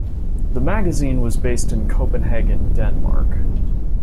The magazine was based in Copenhagen, Denmark.